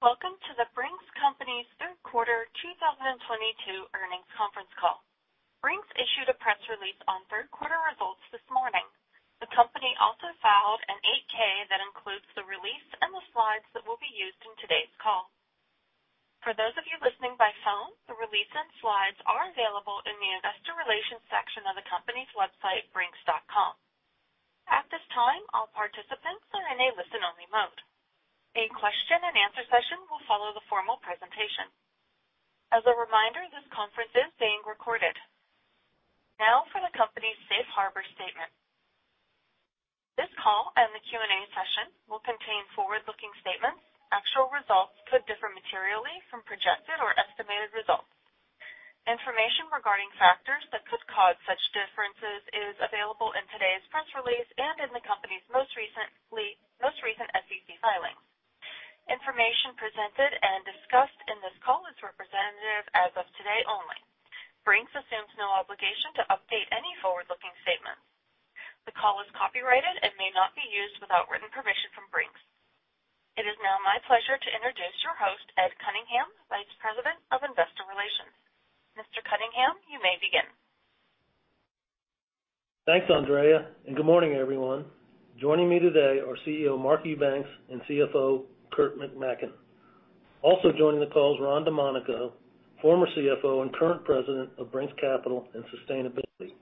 Welcome to the Brink's Company's Third Quarter 2022 Earnings Conference Call. Brink's issued a press release on third quarter results this morning. The company also filed an 8-K that includes the release and the slides that will be used in today's call. For those of you listening by phone, the release and slides are available in the investor relations section of the company's website, brinks.com. At this time, all participants are in a listen-only mode. A question and answer session will follow the formal presentation. As a reminder, this conference is being recorded. Now for the company's Safe Harbor statement. This call and the Q&A session will contain forward-looking statements. Actual results could differ materially from projected or estimated results. Information regarding factors that could cause such differences is available in today's press release and in the company's most recent SEC filings. Information presented and discussed in this call is representative as of today only. Brink's assumes no obligation to update any forward-looking statements. The call is copyrighted and may not be used without written permission from Brink's. It is now my pleasure to introduce your host, Ed Cunningham, Vice President of Investor Relations. Mr. Cunningham, you may begin. Thanks, Andrea, and good morning, everyone. Joining me today are CEO Mark Eubanks and CFO Kurt McMaken. Also joining the call is Ron Domanico, former CFO and current President of Brink's Capital and Sustainability.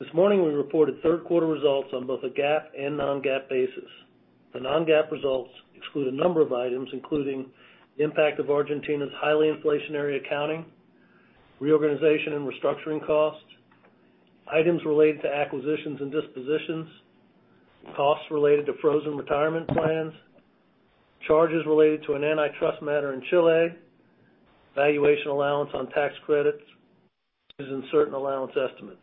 This morning, we reported third quarter results on both a GAAP and non-GAAP basis. The non-GAAP results exclude a number of items, including the impact of Argentina's highly inflationary accounting, reorganization and restructuring costs, items related to acquisitions and dispositions, costs related to frozen retirement plans, charges related to an antitrust matter in Chile, valuation allowance on tax credits used in certain allowance estimates.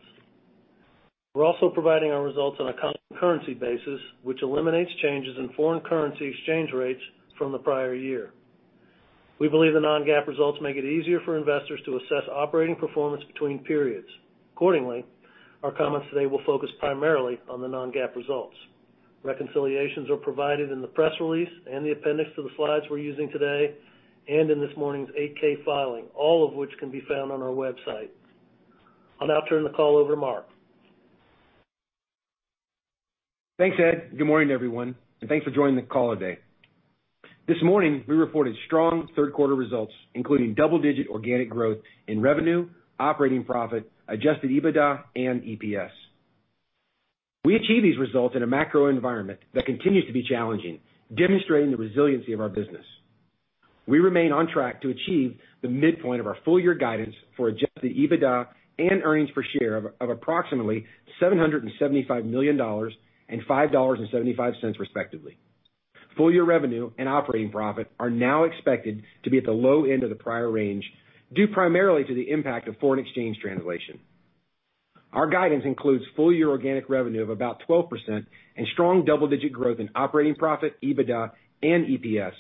We're also providing our results on a constant currency basis, which eliminates changes in foreign currency exchange rates from the prior year. We believe the non-GAAP results make it easier for investors to assess operating performance between periods. Accordingly, our comments today will focus primarily on the non-GAAP results. Reconciliations are provided in the press release and the appendix to the slides we're using today, and in this morning's 8-K filing, all of which can be found on our website. I'll now turn the call over to Mark. Thanks, Ed. Good morning, everyone, and thanks for joining the call today. This morning, we reported strong third quarter results, including double-digit organic growth in revenue, operating profit, Adjusted EBITDA and EPS. We achieved these results in a macro environment that continues to be challenging, demonstrating the resiliency of our business. We remain on track to achieve the midpoint of our full year guidance for Adjusted EBITDA and earnings per share of approximately $775 million and $5.75, respectively. Full year revenue and operating profit are now expected to be at the low end of the prior range, due primarily to the impact of foreign exchange translation. Our guidance includes full year organic revenue of about 12% and strong double-digit growth in operating profit, EBITDA and EPS,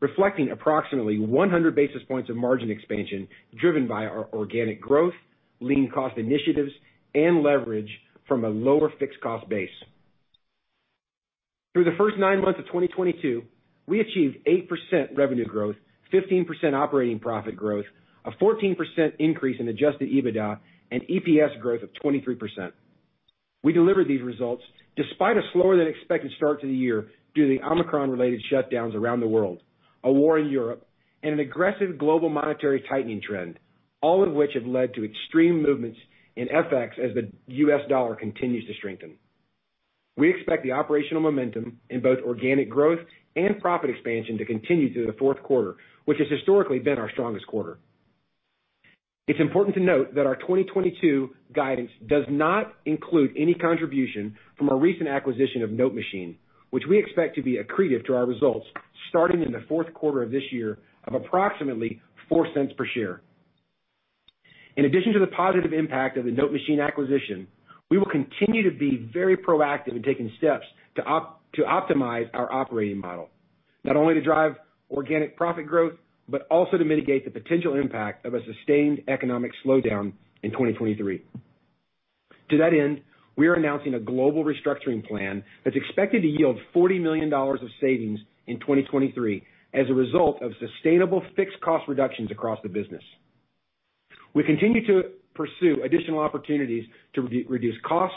reflecting approximately 100 basis points of margin expansion driven by our organic growth, lean cost initiatives, and leverage from a lower fixed cost base. Through the first nine months of 2022, we achieved 8% revenue growth, 15% operating profit growth, a 14% increase in Adjusted EBITDA, and EPS growth of 23%. We delivered these results despite a slower than expected start to the year due to the Omicron-related shutdowns around the world, a war in Europe, and an aggressive global monetary tightening trend, all of which have led to extreme movements in FX as the U.S. dollar continues to strengthen. We expect the operational momentum in both organic growth and profit expansion to continue through the fourth quarter, which has historically been our strongest quarter. It's important to note that our 2022 guidance does not include any contribution from our recent acquisition of NoteMachine, which we expect to be accretive to our results starting in the fourth quarter of this year of approximately $0.04 per share. In addition to the positive impact of the NoteMachine acquisition, we will continue to be very proactive in taking steps to optimize our operating model, not only to drive organic profit growth, but also to mitigate the potential impact of a sustained economic slowdown in 2023. To that end, we are announcing a global restructuring plan that's expected to yield $40 million of savings in 2023 as a result of sustainable fixed cost reductions across the business. We continue to pursue additional opportunities to reduce costs,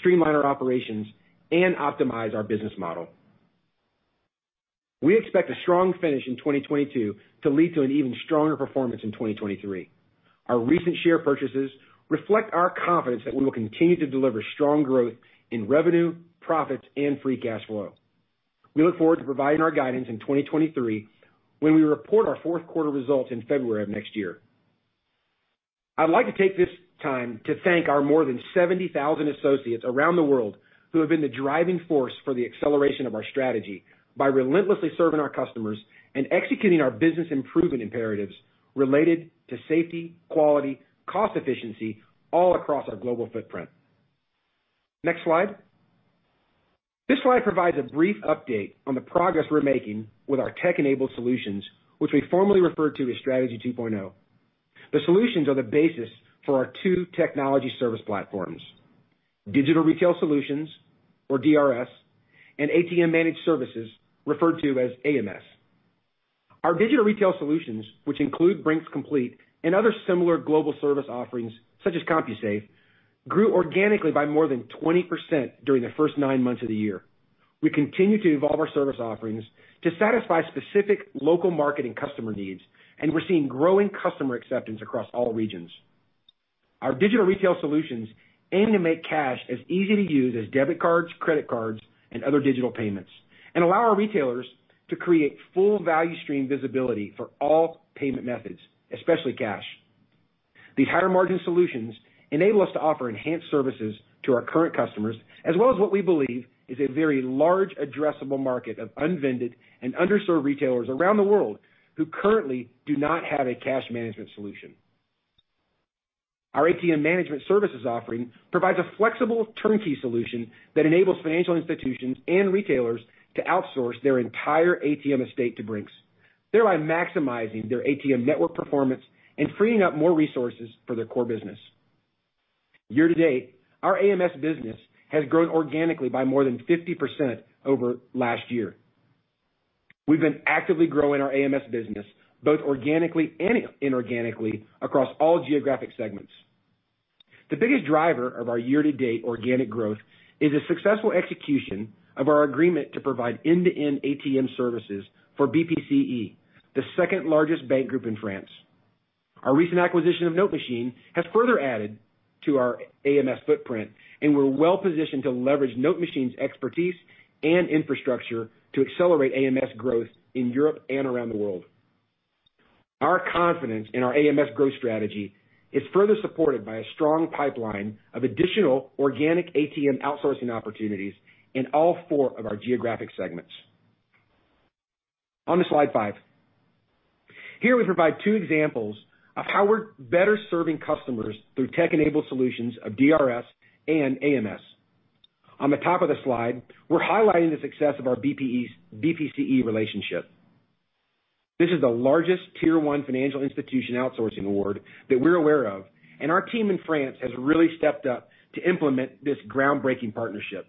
streamline our operations, and optimize our business model. We expect a strong finish in 2022 to lead to an even stronger performance in 2023. Our recent share purchases reflect our confidence that we will continue to deliver strong growth in revenue, profits, and free cash flow. We look forward to providing our guidance in 2023 when we report our fourth quarter results in February of next year. I'd like to take this time to thank our more than 70,000 associates around the world who have been the driving force for the acceleration of our strategy by relentlessly serving our customers and executing our business improvement imperatives related to safety, quality, cost efficiency, all across our global footprint. Next slide. This slide provides a brief update on the progress we're making with our tech-enabled solutions, which we formerly referred to as Strategy 2.0. The solutions are the basis for our two technology service platforms. Digital Retail Solutions, or DRS, and ATM Managed Services, referred to as AMS. Our digital retail solutions, which include Brink's Complete and other similar global service offerings such as CompuSafe, grew organically by more than 20% during the first nine months of the year. We continue to evolve our service offerings to satisfy specific local market and customer needs, and we're seeing growing customer acceptance across all regions. Our digital retail solutions aim to make cash as easy to use as debit cards, credit cards, and other digital payments, and allow our retailers to create full value stream visibility for all payment methods, especially cash. These higher margin solutions enable us to offer enhanced services to our current customers, as well as what we believe is a very large addressable market of unvended and underserved retailers around the world who currently do not have a cash management solution. Our ATM management services offering provides a flexible turnkey solution that enables financial institutions and retailers to outsource their entire ATM estate to Brink's, thereby maximizing their ATM network performance and freeing up more resources for their core business. Year to date, our AMS business has grown organically by more than 50% over last year. We've been actively growing our AMS business both organically and inorganically across all geographic segments. The biggest driver of our year-to-date organic growth is the successful execution of our agreement to provide end-to-end ATM services for BPCE, the second largest bank group in France. Our recent acquisition of NoteMachine has further added to our AMS footprint, and we're well positioned to leverage NoteMachine's expertise and infrastructure to accelerate AMS growth in Europe and around the world. Our confidence in our AMS growth strategy is further supported by a strong pipeline of additional organic ATM outsourcing opportunities in all four of our geographic segments. On to slide five. Here we provide two examples of how we're better serving customers through tech-enabled solutions of DRS and AMS. On the top of the slide, we're highlighting the success of our BPCE relationship. This is the largest Tier 1 financial institution outsourcing award that we're aware of, and our team in France has really stepped up to implement this groundbreaking partnership.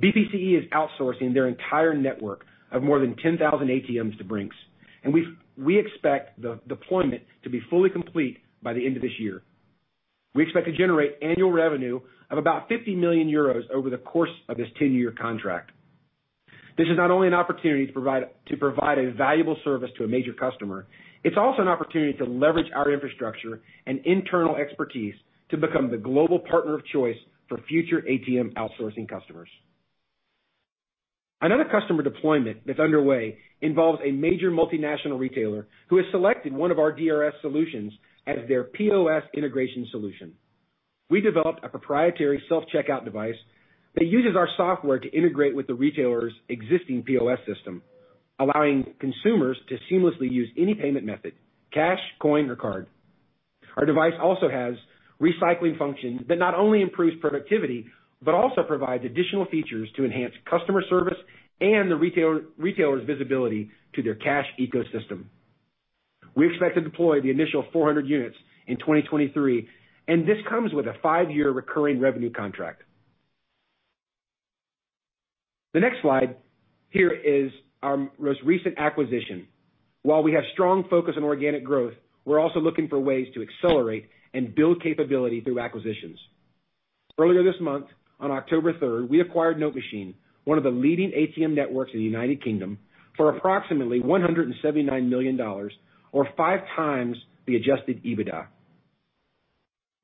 BPCE is outsourcing their entire network of more than 10,000 ATMs to Brink's, and we expect the deployment to be fully complete by the end of this year. We expect to generate annual revenue of about 50 million euros over the course of this 10-year contract. This is not only an opportunity to provide a valuable service to a major customer, it's also an opportunity to leverage our infrastructure and internal expertise to become the global partner of choice for future ATM outsourcing customers. Another customer deployment that's underway involves a major multinational retailer who has selected one of our DRS solutions as their POS integration solution. We developed a proprietary self-checkout device that uses our software to integrate with the retailer's existing POS system, allowing consumers to seamlessly use any payment method, cash, coin, or card. Our device also has recycling functions that not only improves productivity, but also provides additional features to enhance customer service and the retailer's visibility to their cash ecosystem. We expect to deploy the initial 400 units in 2023, and this comes with a five-year recurring revenue contract. The next slide here is our most recent acquisition. While we have strong focus on organic growth, we're also looking for ways to accelerate and build capability through acquisitions. Earlier this month, on October 3rd, we acquired NoteMachine, one of the leading ATM networks in the United Kingdom, for approximately $179 million or 5x the Adjusted EBITDA.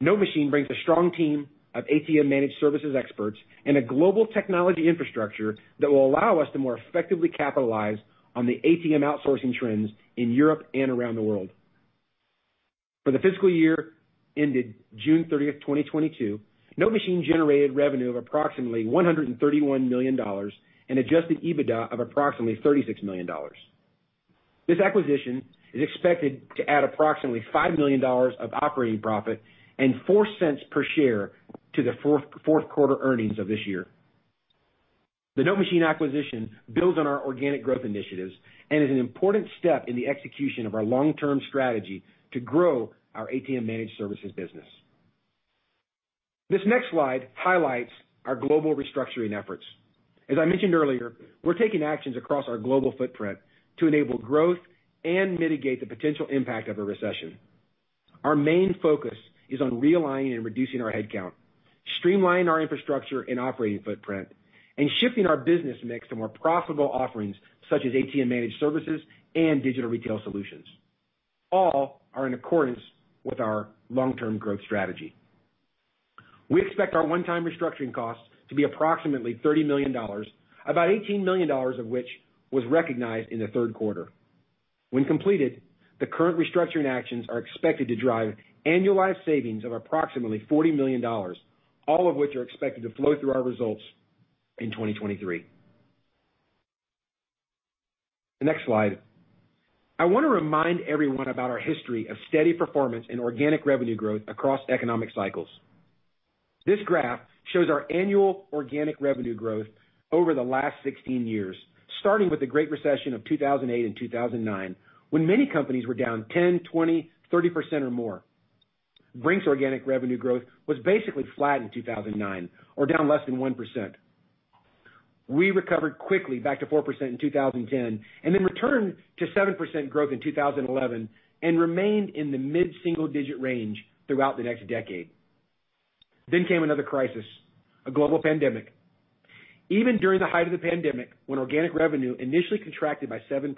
NoteMachine brings a strong team of ATM managed services experts and a global technology infrastructure that will allow us to more effectively capitalize on the ATM outsourcing trends in Europe and around the world. For the fiscal year ended June 30, 2022, NoteMachine generated revenue of approximately $131 million and Adjusted EBITDA of approximately $36 million. This acquisition is expected to add approximately $5 million of operating profit and $0.04 per share to the fourth quarter earnings of this year. The NoteMachine acquisition builds on our organic growth initiatives and is an important step in the execution of our long-term strategy to grow our ATM Managed Services business. This next slide highlights our global restructuring efforts. As I mentioned earlier, we're taking actions across our global footprint to enable growth and mitigate the potential impact of a recession. Our main focus is on realigning and reducing our headcount, streamlining our infrastructure and operating footprint, and shifting our business mix to more profitable offerings such as ATM Managed Services and Digital Retail Solutions. All are in accordance with our long-term growth strategy. We expect our one-time restructuring costs to be approximately $30 million, about $18 million of which was recognized in the third quarter. When completed, the current restructuring actions are expected to drive annualized savings of approximately $40 million, all of which are expected to flow through our results in 2023. The next slide. I want to remind everyone about our history of steady performance and organic revenue growth across economic cycles. This graph shows our annual organic revenue growth over the last 16 years. Starting with the great recession of 2008 and 2009, when many companies were down 10, 20, 30% or more, Brink's organic revenue growth was basically flat in 2009, or down less than 1%. We recovered quickly back to 4% in 2010, and then returned to 7% growth in 2011, and remained in the mid single-digit range throughout the next decade. Came another crisis, a global pandemic. Even during the height of the pandemic, when organic revenue initially contracted by 7%,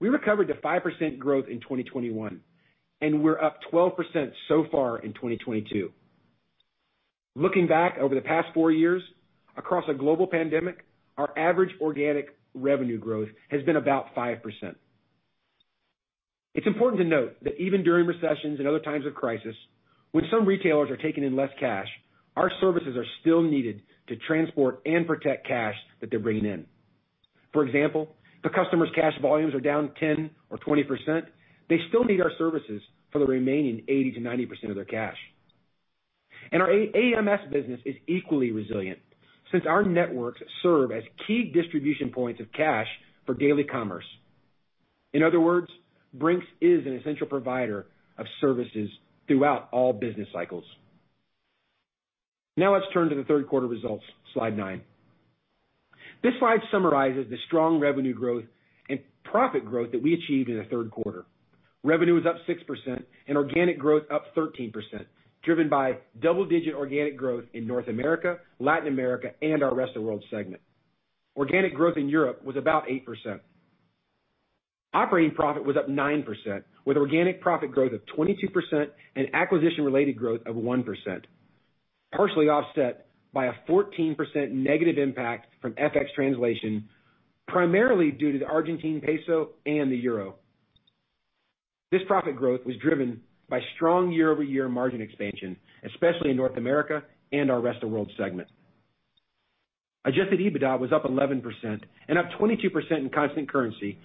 we recovered to 5% growth in 2021, and we're up 12% so far in 2022. Looking back over the past four years, across a global pandemic, our average organic revenue growth has been about 5%. It's important to note that even during recessions and other times of crisis, when some retailers are taking in less cash, our services are still needed to transport and protect cash that they're bringing in. For example, if a customer's cash volumes are down 10% or 20%, they still need our services for the remaining 80%-90% of their cash. Our AMS business is equally resilient, since our networks serve as key distribution points of cash for daily commerce. In other words, Brink's is an essential provider of services throughout all business cycles. Now let's turn to the third quarter results, slide nine. This slide summarizes the strong revenue growth and profit growth that we achieved in the third quarter. Revenue was up 6% and organic growth up 13%, driven by double-digit organic growth in North America, Latin America, and our Rest of World segment. Organic growth in Europe was about 8%. Operating profit was up 9%, with organic profit growth of 22% and acquisition-related growth of 1%, partially offset by a 14% negative impact from FX translation, primarily due to the Argentine peso and the euro. This profit growth was driven by strong year-over-year margin expansion, especially in North America and our Rest of World segment. Adjusted EBITDA was up 11% and up 22% in constant currency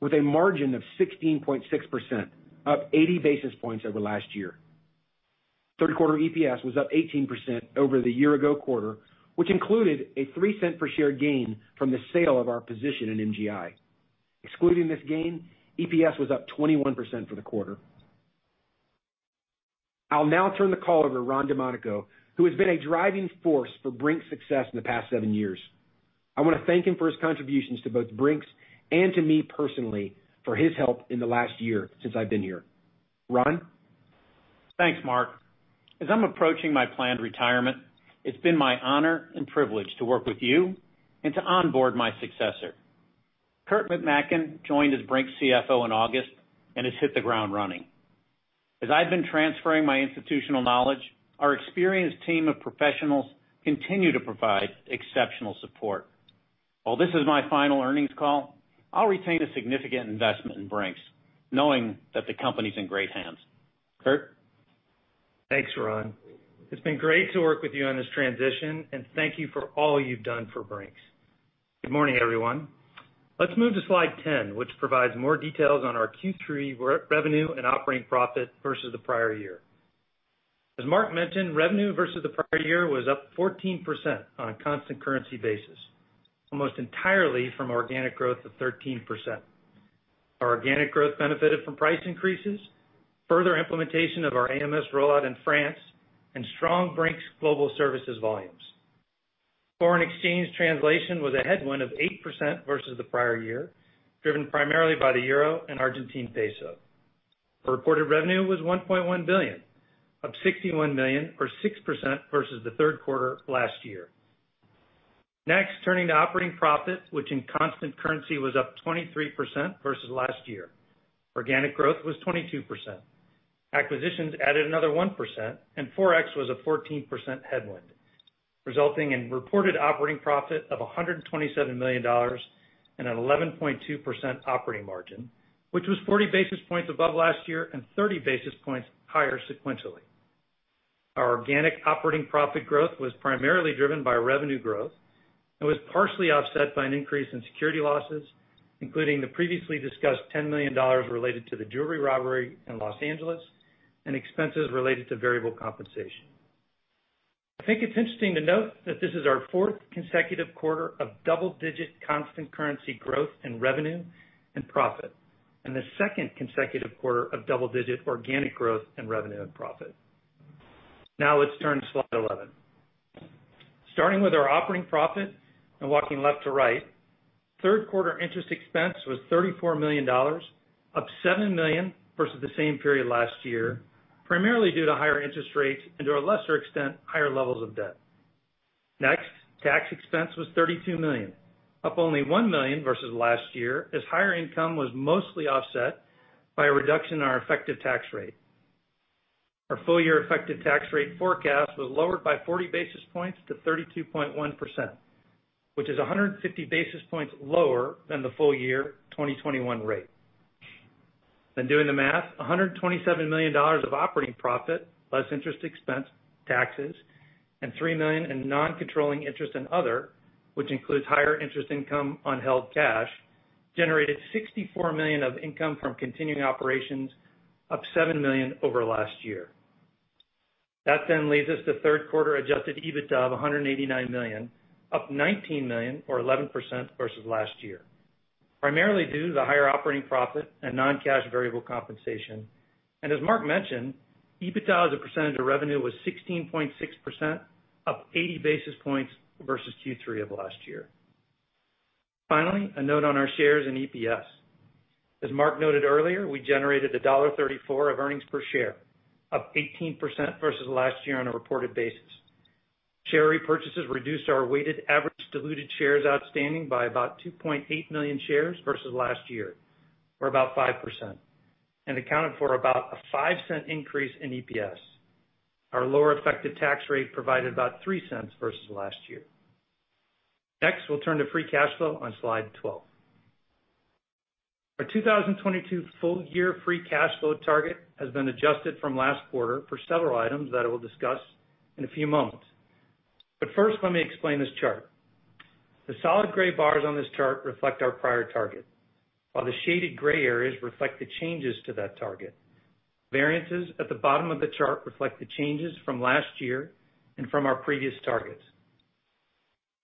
with a margin of 16.6%, up 80 basis points over last year. Third quarter EPS was up 18% over the year-ago quarter, which included a $0.03 per share gain from the sale of our position in MGI. Excluding this gain, EPS was up 21% for the quarter. I'll now turn the call over to Ron Domanico, who has been a driving force for Brink's success in the past seven years. I wanna thank him for his contributions to both Brink's and to me personally for his help in the last year since I've been here. Ron? Thanks, Mark. As I'm approaching my planned retirement, it's been my honor and privilege to work with you and to onboard my successor. Kurt McMaken joined as Brink's CFO in August and has hit the ground running. As I've been transferring my institutional knowledge, our experienced team of professionals continue to provide exceptional support. While this is my final earnings call, I'll retain a significant investment in Brink's, knowing that the company's in great hands. Kurt? Thanks, Ron. It's been great to work with you on this transition, and thank you for all you've done for Brink's. Good morning, everyone. Let's move to slide 10, which provides more details on our Q3 revenue and operating profit versus the prior year. As Mark mentioned, revenue versus the prior year was up 14% on a constant currency basis, almost entirely from organic growth of 13%. Our organic growth benefited from price increases, further implementation of our AMS rollout in France, and strong Brink's Global Services volumes. Foreign exchange translation was a headwind of 8% versus the prior year, driven primarily by the euro and Argentine peso. The reported revenue was $1.1 billion, up $61 million or 6% versus the third quarter of last year. Next, turning to operating profit, which in constant currency was up 23% versus last year. Organic growth was 22%. Acquisitions added another 1%, and Forex was a 14% headwind, resulting in reported operating profit of $127 million and an 11.2% operating margin, which was 40 basis points above last year and 30 basis points higher sequentially. Our organic operating profit growth was primarily driven by revenue growth and was partially offset by an increase in security losses, including the previously discussed $10 million related to the jewelry robbery in Los Angeles and expenses related to variable compensation. I think it's interesting to note that this is our fourth consecutive quarter of double-digit constant currency growth in revenue and profit, and the second consecutive quarter of double-digit organic growth in revenue and profit. Now let's turn to slide 11. Starting with our operating profit and walking left to right, third quarter interest expense was $34 million, up $7 million versus the same period last year, primarily due to higher interest rates and, to a lesser extent, higher levels of debt. Next, tax expense was $32 million, up only $1 million versus last year, as higher income was mostly offset by a reduction in our effective tax rate. Our full year effective tax rate forecast was lowered by 40 basis points to 32.1%, which is 150 basis points lower than the full year 2021 rate. Doing the math, $127 million of operating profit, less interest expense, taxes, and $3 million in non-controlling interest and other, which includes higher interest income on held cash, generated $64 million of income from continuing operations, up $7 million over last year. That leads us to third quarter Adjusted EBITDA of $189 million, up $19 million or 11% versus last year, primarily due to the higher operating profit and non-cash variable compensation. As Mark mentioned, EBITDA as a percentage of revenue was 16.6%, up 80 basis points versus Q3 of last year. Finally, a note on our shares in EPS. As Mark noted earlier, we generated $1.34 of earnings per share, up 18% versus last year on a reported basis. Share repurchases reduced our weighted average diluted shares outstanding by about 2.8 million shares versus last year, or about 5%, and accounted for about a $0.05 increase in EPS. Our lower effective tax rate provided about $0.03 versus last year. Next, we'll turn to free cash flow on slide 12. Our 2022 full year free cash flow target has been adjusted from last quarter for several items that I will discuss in a few moments. First, let me explain this chart. The solid gray bars on this chart reflect our prior target, while the shaded gray areas reflect the changes to that target. Variances at the bottom of the chart reflect the changes from last year and from our previous targets.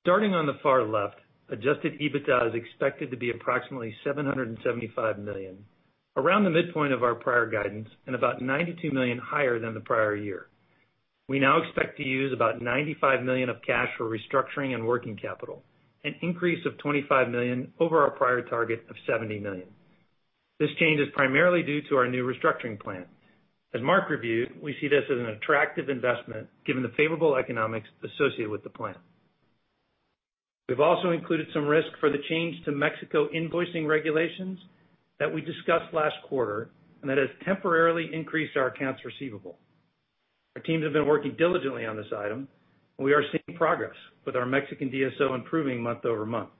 Starting on the far left, Adjusted EBITDA is expected to be approximately $775 million, around the midpoint of our prior guidance and about $92 million higher than the prior year. We now expect to use about $95 million of cash for restructuring and working capital, an increase of $25 million over our prior target of $70 million. This change is primarily due to our new restructuring plan. As Mark reviewed, we see this as an attractive investment given the favorable economics associated with the plan. We've also included some risk for the change to Mexico invoicing regulations that we discussed last quarter and that has temporarily increased our accounts receivable. Our teams have been working diligently on this item, and we are seeing progress with our Mexican DSO improving month over month.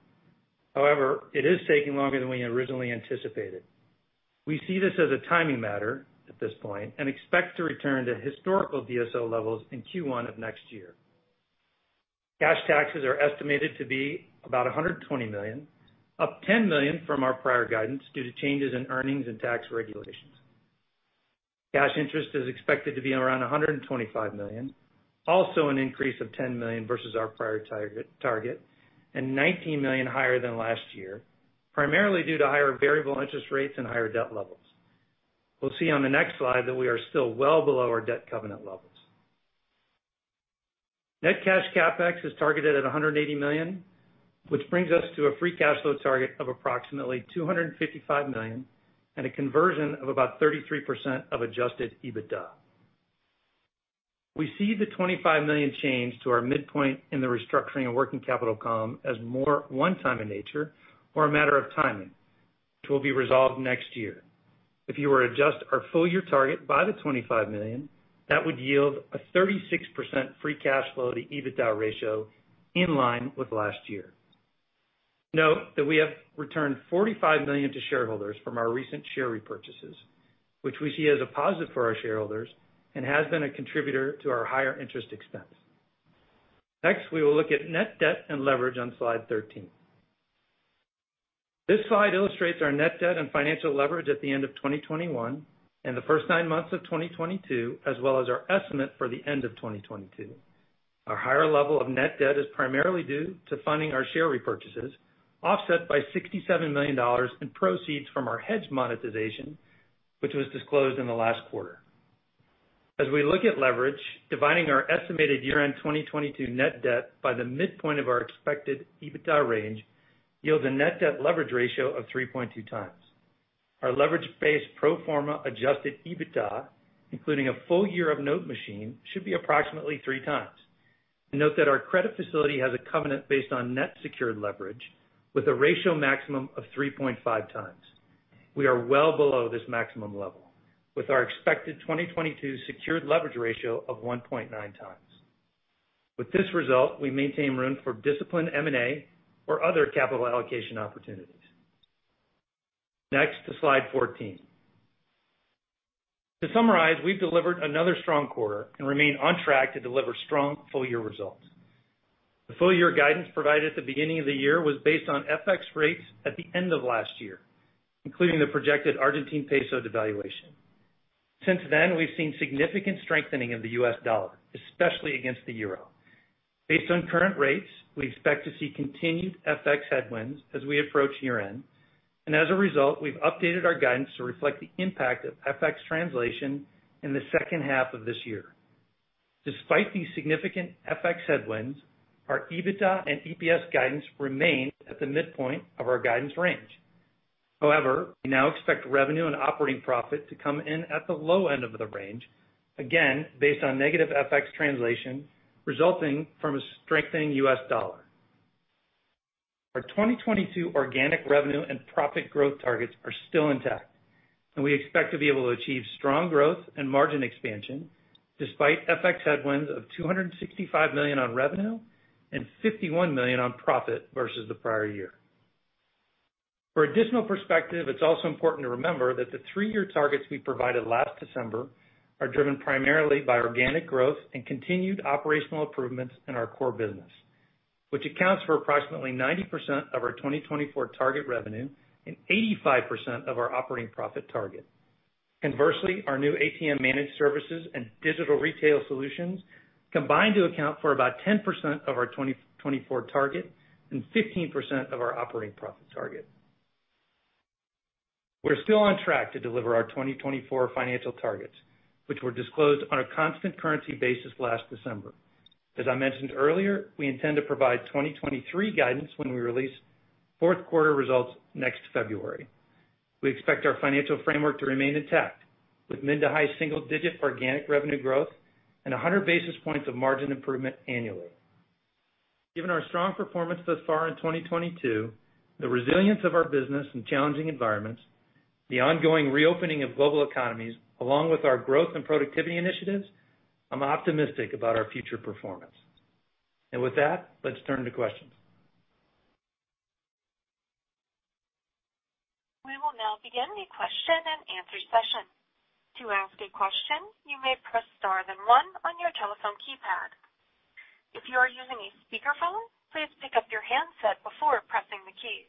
However, it is taking longer than we originally anticipated. We see this as a timing matter at this point and expect to return to historical DSO levels in Q1 of next year. Cash taxes are estimated to be about $120 million, up $10 million from our prior guidance due to changes in earnings and tax regulations. Cash interest is expected to be around $125 million, also an increase of $10 million versus our prior target, and $19 million higher than last year, primarily due to higher variable interest rates and higher debt levels. We'll see on the next slide that we are still well below our debt covenant levels. Net cash CapEx is targeted at $180 million, which brings us to a free cash flow target of approximately $255 million and a conversion of about 33% of Adjusted EBITDA. We see the $25 million change to our midpoint in the restructuring of working capital component as more one-time in nature or a matter of timing, which will be resolved next year. If you were to adjust our full year target by the $25 million, that would yield a 36% free cash flow to EBITDA ratio in line with last year. Note that we have returned $45 million to shareholders from our recent share repurchases, which we see as a positive for our shareholders and has been a contributor to our higher interest expense. Next, we will look at net debt and leverage on slide 13. This slide illustrates our net debt and financial leverage at the end of 2021 and the first nine months of 2022, as well as our estimate for the end of 2022. Our higher level of net debt is primarily due to funding our share repurchases, offset by $67 million in proceeds from our hedge monetization, which was disclosed in the last quarter. As we look at leverage, dividing our estimated year-end 2022 net debt by the midpoint of our expected EBITDA range yields a net debt leverage ratio of 3.2x. Our leverage-based pro forma Adjusted EBITDA, including a full year of NoteMachine, should be approximately 3x. Note that our credit facility has a covenant based on net secured leverage with a ratio maximum of 3.5x. We are well below this maximum level with our expected 2022 secured leverage ratio of 1.9x. With this result, we maintain room for disciplined M&A or other capital allocation opportunities. Next to slide 14. To summarize, we've delivered another strong quarter and remain on track to deliver strong full year results. The full year guidance provided at the beginning of the year was based on FX rates at the end of last year, including the projected Argentine peso devaluation. Since then, we've seen significant strengthening of the U.S. dollar, especially against the euro. Based on current rates, we expect to see continued FX headwinds as we approach year-end. As a result, we've updated our guidance to reflect the impact of FX translation in the second half of this year. Despite these significant FX headwinds, our EBITDA and EPS guidance remain at the midpoint of our guidance range. However, we now expect revenue and operating profit to come in at the low end of the range, again, based on negative FX translation resulting from a strengthening U.S. dollar. Our 2022 organic revenue and profit growth targets are still intact, and we expect to be able to achieve strong growth and margin expansion despite FX headwinds of $265 million on revenue and $51 million on profit versus the prior year. For additional perspective, it's also important to remember that the three-year targets we provided last December are driven primarily by organic growth and continued operational improvements in our core business. Which accounts for approximately 90% of our 2024 target revenue and 85% of our operating profit target. Conversely, our new ATM Managed Services and Digital Retail Solutions combined to account for about 10% of our 2024 target and 15% of our operating profit target. We're still on track to deliver our 2024 financial targets, which were disclosed on a constant currency basis last December. As I mentioned earlier, we intend to provide 2023 guidance when we release fourth quarter results next February. We expect our financial framework to remain intact with mid- to high-single-digit organic revenue growth and 100 basis points of margin improvement annually. Given our strong performance thus far in 2022, the resilience of our business in challenging environments, the ongoing reopening of global economies, along with our growth and productivity initiatives, I'm optimistic about our future performance. With that, let's turn to questions. We will now begin the question and answer session. To ask a question, you may press Star then One on your telephone keypad. If you are using a speakerphone, please pick up your handset before pressing the keys.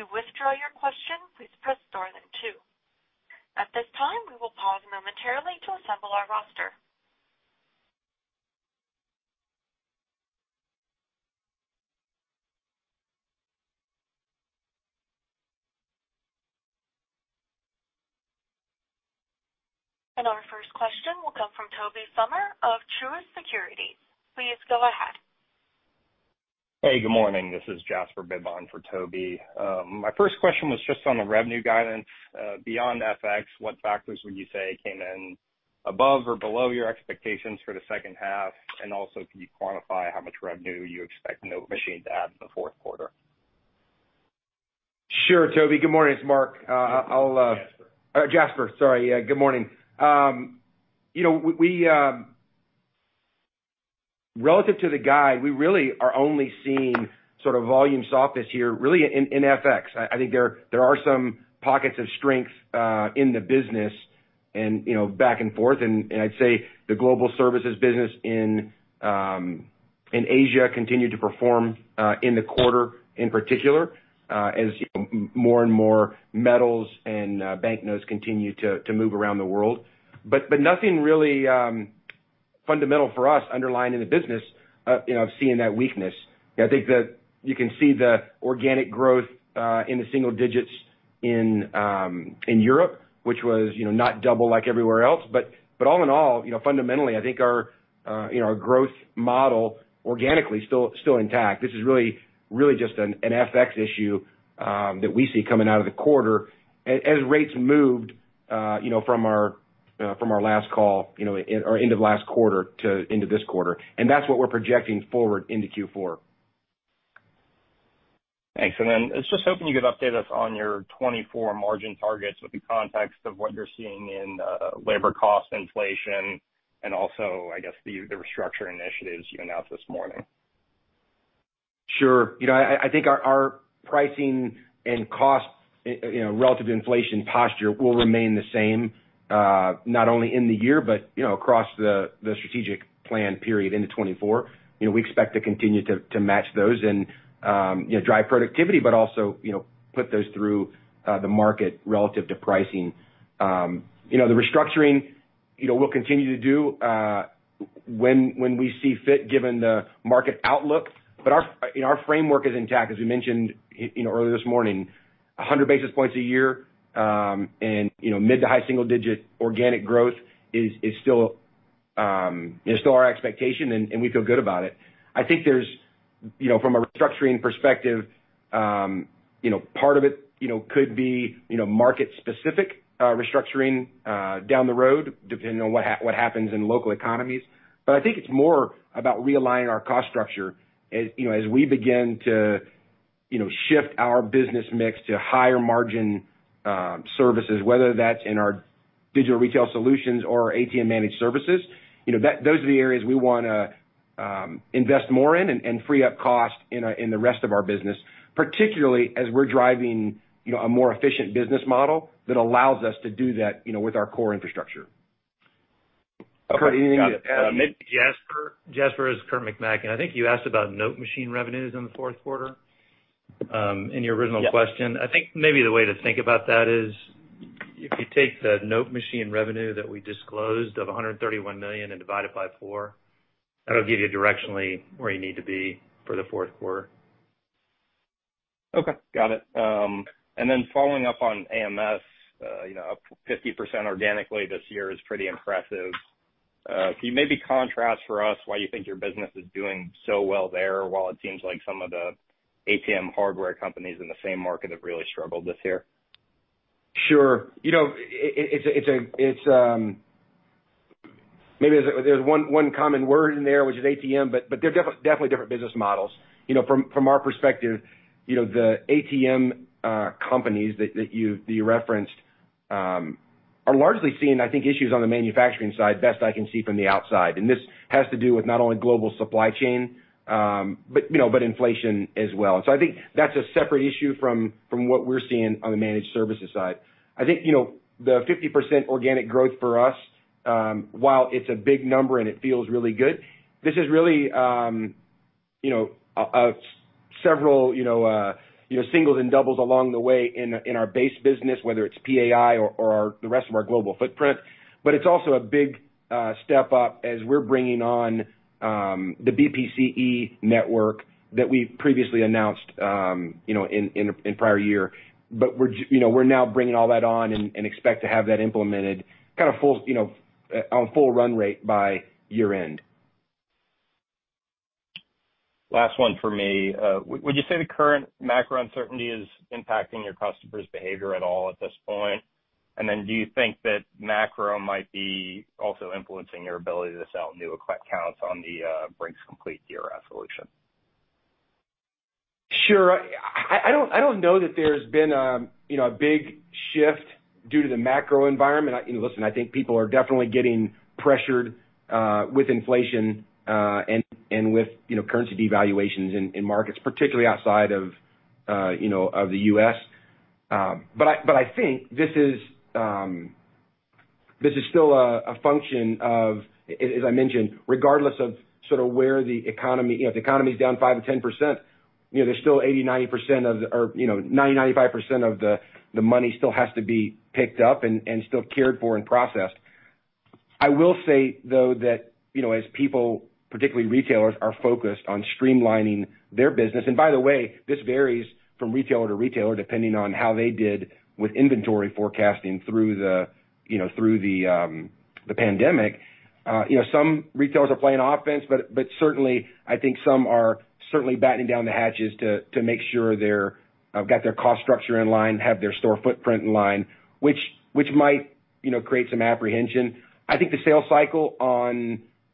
To withdraw your question, please press star then two. At this time, we will pause momentarily to assemble our roster. Our first question will come from Tobey Sommer of Truist Securities. Please go ahead. Hey, good morning. This is Jasper Bibb for Tobey. My first question was just on the revenue guidance. Beyond FX, what factors would you say came in above or below your expectations for the second half? Also, can you quantify how much revenue you expect NoteMachine to add in the fourth quarter? Sure, Tobey. Good morning. It's Mark. I'll, Jasper. Jasper, sorry. Yeah, good morning. You know, relative to the guide, we really are only seeing sort of volume soft this year really in FX. I think there are some pockets of strength in the business and, you know, back and forth. I'd say the global services business in Asia continued to perform in the quarter in particular as more and more metals and banknotes continue to move around the world. Nothing really fundamental for us underlying in the business, you know, of seeing that weakness. I think you can see the organic growth in the single digits in Europe, which was, you know, not double like everywhere else. All in all, you know, fundamentally, I think our, you know, our growth model organically still intact. This is really just an FX issue that we see coming out of the quarter as rates moved, you know, from our last call, you know, or end of last quarter to end of this quarter. That's what we're projecting forward into Q4. Thanks. I was just hoping you could update us on your 2024 margin targets with the context of what you're seeing in labor cost inflation and also, I guess, the restructuring initiatives you announced this morning. Sure. You know, I think our pricing and cost, you know, relative inflation posture will remain the same, not only in the year, but, you know, across the strategic plan period into 2024. You know, we expect to continue to match those and, you know, drive productivity, but also, you know, put those through the market relative to pricing. You know, the restructuring, you know, we'll continue to do when we see fit given the market outlook. But our, you know, our framework is intact. As we mentioned, you know, earlier this morning, 100 basis points a year, and, you know, mid- to high-single-digit organic growth is still our expectation, and we feel good about it. I think there's, you know, from a restructuring perspective, you know, part of it, you know, could be, you know, market specific restructuring down the road, depending on what happens in local economies. I think it's more about realigning our cost structure as, you know, as we begin to, you know, shift our business mix to higher margin services, whether that's in our Digital Retail Solutions or our ATM Managed Services. You know, those are the areas we wanna invest more in and free up cost in the rest of our business, particularly as we're driving, you know, a more efficient business model that allows us to do that, you know, with our core infrastructure. Kurt, anything to add? Jasper. Jasper, it's Kurt McMaken. I think you asked about NoteMachine revenues in the fourth quarter in your original question. Yeah. I think maybe the way to think about that is if you take the NoteMachine revenue that we disclosed of $131 million and divide it by four, that'll give you directionally where you need to be for the fourth quarter. Okay. Got it. Following up on AMS, you know, up 50% organically this year is pretty impressive. Can you maybe contrast for us why you think your business is doing so well there, while it seems like some of the ATM hardware companies in the same market have really struggled this year? Sure. You know, it's. Maybe there's one common word in there, which is ATM, but they're definitely different business models. You know, from our perspective, you know, the ATM companies that you referenced are largely seeing, I think, issues on the manufacturing side, best I can see from the outside. This has to do with not only global supply chain, but inflation as well. I think that's a separate issue from what we're seeing on the managed services side. I think, you know, the 50% organic growth for us, while it's a big number and it feels really good, this is really, you know, several, you know, singles and doubles along the way in our base business, whether it's PAI or the rest of our global footprint. It's also a big step up as we're bringing on the BPCE network that we previously announced, you know, in a prior year. We're now bringing all that on and expect to have that implemented kind of fully, you know, on full run rate by year-end. Last one for me. Would you say the current macro uncertainty is impacting your customers' behavior at all at this point? Do you think that macro might be also influencing your ability to sell new accounts on the Brink's Complete DRS solution? Sure. I don't know that there's been, you know, a big shift due to the macro environment. You know, listen, I think people are definitely getting pressured with inflation and with, you know, currency devaluations in markets, particularly outside of, you know, of the U.S. But I think this is still a function of, as I mentioned, regardless of sort of where the economy. You know, if the economy is down 5%-10%, you know, there's still 80%, 90% of the or, you know, 90%-95% of the money still has to be picked up and still cared for and processed. I will say, though, that, you know, as people, particularly retailers, are focused on streamlining their business, and by the way, this varies from retailer to retailer depending on how they did with inventory forecasting through the, you know, the pandemic. You know, some retailers are playing offense, but certainly I think some are certainly battening down the hatches to make sure they're got their cost structure in line, have their store footprint in line, which might, you know, create some apprehension. I think the sales cycle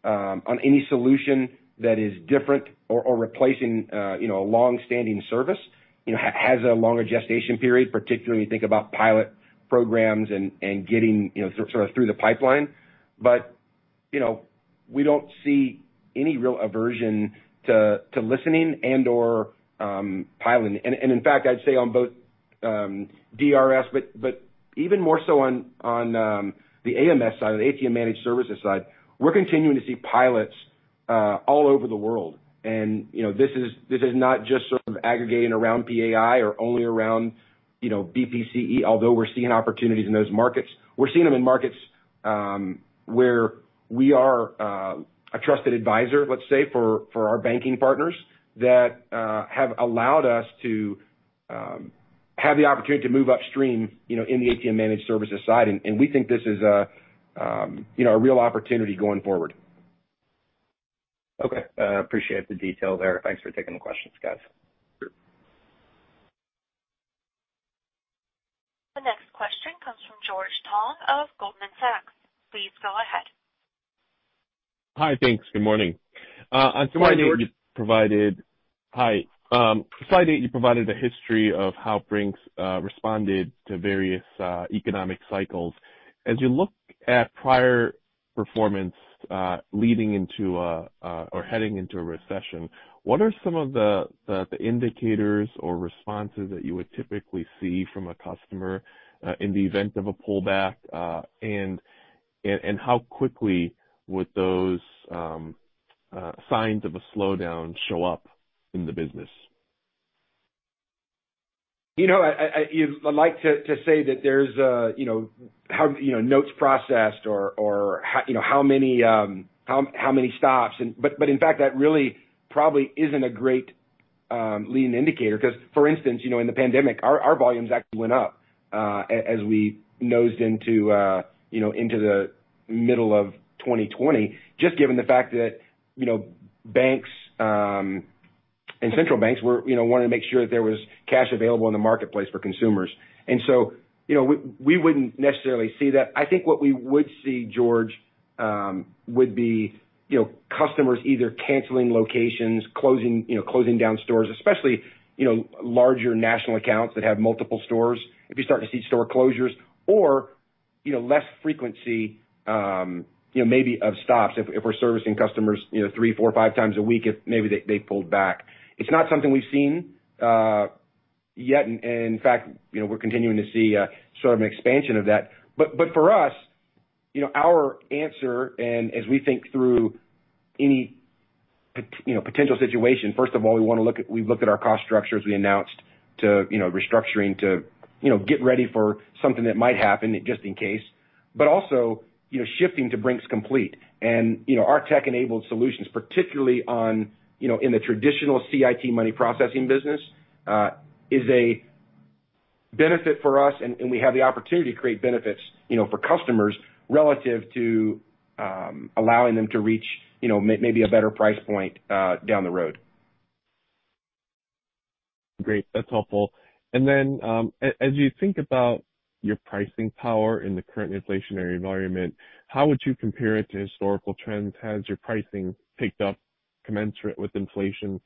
on any solution that is different or replacing, you know, a long-standing service, you know, has a longer gestation period, particularly when you think about pilot programs and getting, you know, sort of through the pipeline. You know, we don't see any real aversion to listening and/or piloting. In fact, I'd say on both DRS, but even more so on the AMS side, on the ATM Managed Services side, we're continuing to see pilots all over the world. You know, this is not just sort of aggregating around PAI or only around BPCE, although we're seeing opportunities in those markets. We're seeing them in markets where we are a trusted advisor, let's say, for our banking partners that have allowed us to have the opportunity to move upstream, you know, in the ATM Managed Services side. We think this is a real opportunity going forward. Okay. Appreciate the detail there. Thanks for taking the questions, guys. Sure. The next question comes from George Tong of Goldman Sachs. Please go ahead. Hi, thanks. Good morning. On slide eight. Good morning, George. Hi. Slide eight, you provided a history of how Brink's responded to various economic cycles. As you look at prior performance leading into or heading into a recession, what are some of the indicators or responses that you would typically see from a customer in the event of a pullback? How quickly would those signs of a slowdown show up in the business? I'd like to say that there's, you know, how many notes processed or how many stops. But in fact, that really probably isn't a great leading indicator because for instance, you know, in the pandemic, our volumes actually went up as we moved into, you know, into the middle of 2020, just given the fact that, you know, banks and central banks wanted to make sure that there was cash available in the marketplace for consumers. You know, we wouldn't necessarily see that. I think what we would see, George, would be, you know, customers either canceling locations, closing down stores, especially, you know, larger national accounts that have multiple stores. If you're starting to see store closures or, you know, less frequency, you know, maybe of stops if we're servicing customers, you know, 3x, 4x, 5x a week, if maybe they pulled back. It's not something we've seen, yet. In fact, you know, we're continuing to see, sort of an expansion of that. For us, you know, our answer and as we think through any potential situation, first of all, we wanna look at we've looked at our cost structures we announced to, you know, restructuring to, you know, get ready for something that might happen just in case. Also, you know, shifting to Brink's Complete and, you know, our tech-enabled solutions, particularly on, you know, in the traditional CIT money processing business, is a benefit for us, and we have the opportunity to create benefits, you know, for customers relative to allowing them to reach, you know, maybe a better price point, down the road. Great. That's helpful. You think about your pricing power in the current inflationary environment, how would you compare it to historical trends? Has your pricing picked up commensurate with inflation?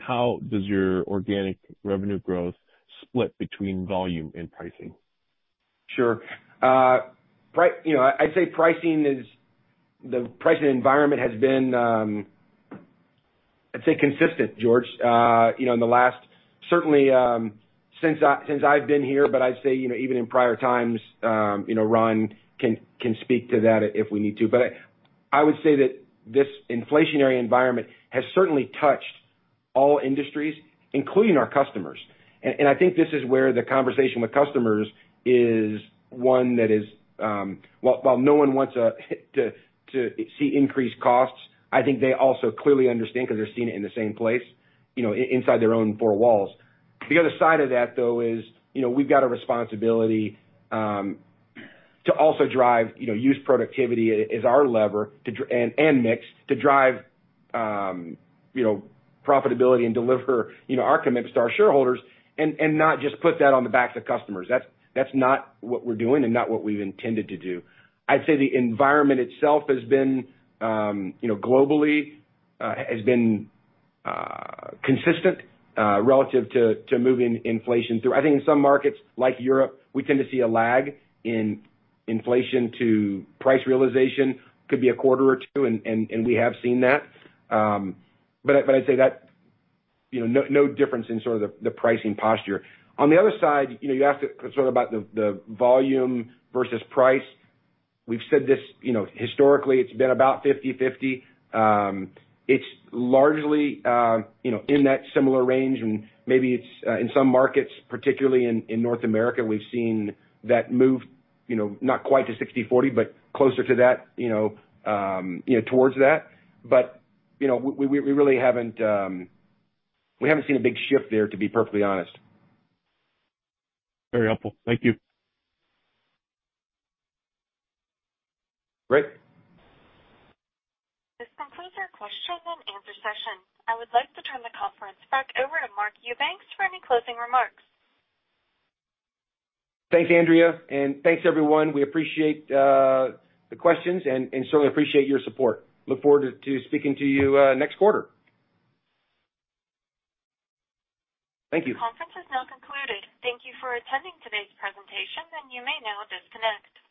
How does your organic revenue growth split between volume and pricing? Sure. You know, I'd say the pricing environment has been, I'd say, consistent, George. You know, in the last, certainly, since I've been here, but I'd say, you know, even in prior times, you know, Ron can speak to that if we need to. I would say that this inflationary environment has certainly touched all industries, including our customers. I think this is where the conversation with customers is one that is, while no one wants to see increased costs, I think they also clearly understand 'cause they're seeing it in the same place, you know, inside their own four walls. The other side of that, though, is you know we've got a responsibility to also drive you know use productivity as our lever and mix to drive you know profitability and deliver you know our commitments to our shareholders and not just put that on the backs of customers. That's not what we're doing and not what we've intended to do. I'd say the environment itself has been you know globally consistent relative to moving inflation through. I think in some markets like Europe, we tend to see a lag in inflation to price realization. Could be a quarter or two, and we have seen that. I'd say that you know no difference in sort of the pricing posture. On the other side, you know, you asked sort of about the volume versus price. We've said this, you know, historically it's been about 50/50. It's largely, you know, in that similar range and maybe it's in some markets, particularly in North America, we've seen that move, you know, not quite to 60/40, but closer to that, you know, towards that. You know, we really haven't seen a big shift there, to be perfectly honest. Very helpful. Thank you. Great. This concludes our question and answer session. I would like to turn the conference back over to Mark Eubanks for any closing remarks. Thanks, Andrea, and thanks everyone. We appreciate the questions and certainly appreciate your support. Look forward to speaking to you, next quarter. Thank you. The conference has now concluded. Thank you for attending today's presentation, and you may now disconnect.